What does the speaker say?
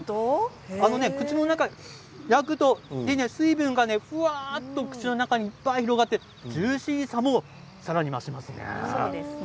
口の中、焼くと水分がふわっと広がってジューシーさもさらに増しますね。